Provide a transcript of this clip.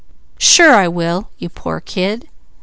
Sure I will, you poor kid!"